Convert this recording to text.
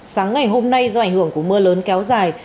sáng ngày hôm nay do ảnh hưởng của mưa lớn kéo dài